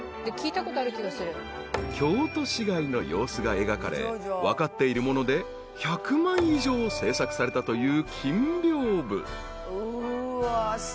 ［京都市街の様子が描かれ分かっているもので１００枚以上制作されたという金屏風］